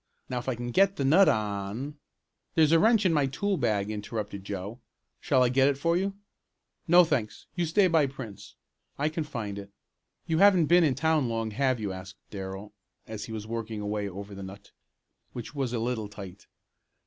Now if I can get the nut on " "There's a wrench in my tool bag," interrupted Joe. "Shall I get it for you?" "No, thanks, you stay by Prince. I can find it. You haven't been in town long, have you?" asked Darrell, as he was working away over the nut, which was a little tight.